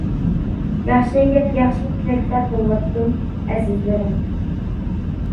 — ياخشى گەپ، ياخشى تىلەكلەر بولۇۋاتىدۇ، ئەزىزلىرىم.